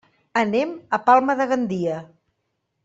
Anem a Palma de Gandia.